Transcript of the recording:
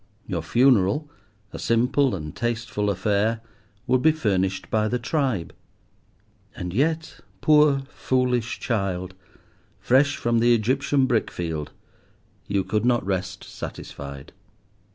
Your funeral, a simple and tasteful affair, would be furnished by the tribe. And yet, poor, foolish child, fresh from the Egyptian brickfield, you could not rest satisfied.